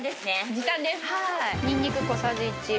時短です。